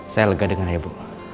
saya lega dengarnya bu